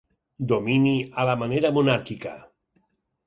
Domini a la manera monàrquica.